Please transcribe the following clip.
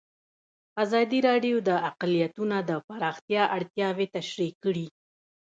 ازادي راډیو د اقلیتونه د پراختیا اړتیاوې تشریح کړي.